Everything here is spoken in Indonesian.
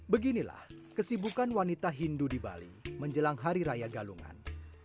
beginilah kesibukan wanita hindu di bali menjelang hari raya galungan